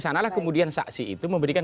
sanalah kemudian saksi itu memberikan